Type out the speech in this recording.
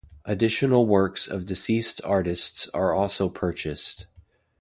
Additional works of deceased artists are also purchased.